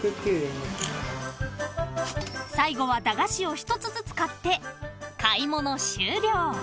［最後は駄菓子を１つずつ買って買い物終了］